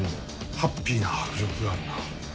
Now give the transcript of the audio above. ハッピーな迫力があるな。